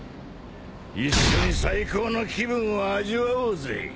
一緒に最高の気分を味わおうぜ。